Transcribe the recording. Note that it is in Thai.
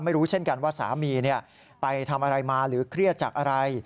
ไม่รู้เช่นกันว่าสามีไปทำอะไรมาหรือเครียดจากอะไร